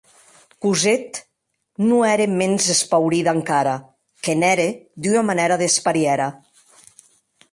Cosette non ère mens espaurida, encara que n’ère de ua manèra desparièra.